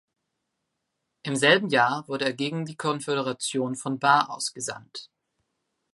Im selben Jahr wurde er gegen die Konföderation von Bar ausgesandt.